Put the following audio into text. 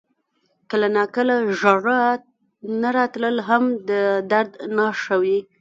• کله ناکله ژړا نه راتلل هم د درد نښه وي.